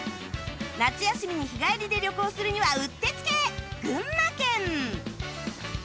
夏休みに日帰りで旅行するにはうってつけ群馬県